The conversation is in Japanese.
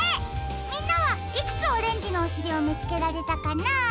みんなはいくつオレンジのおしりをみつけられたかな？